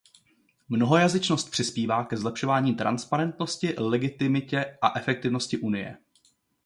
Mnohojazyčnost přispívá ke zlepšování transparentnosti, legitimitě a efektivnosti Unie.